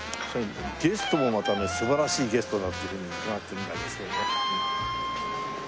ゲストもまたね素晴らしいゲストだっていうふうに伺ってるんでありますけれども。